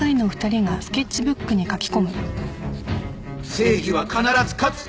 ・「正義は必ず勝つ！」